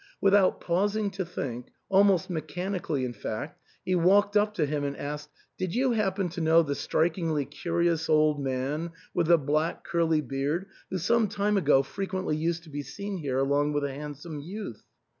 Without paus ing to think, almost mechanically in fact, he walked up to him and asked, " Did you happen to know the strikingly curious old man with the black curly beard who some time ago frequently used to be seen here along with a handsome youth